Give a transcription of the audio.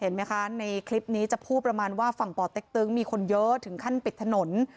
ไหมคะในคลิปนี้จะพูดประมาณว่าฝั่งป่อเต็กตึงมีคนเยอะถึงขั้นปิดถนน